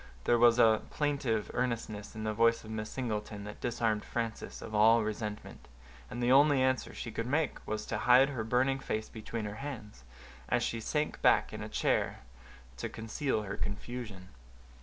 There was a plaintive earnestness in the voice of Miss Singleton that disarmed Frances of all resentment, and the only answer she could make was to hide her burning face between her hands, as she sank back in a chair to conceal her confusion.